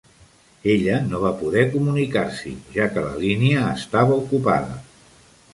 Ella no va poder comunicar-s'hi, ja que la línia estava ocupada